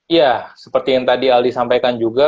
ya seperti yang tadi aldi sampaikan juga